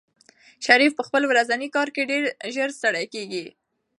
شریف په خپل ورځني کار کې ډېر ژر ستړی کېږي.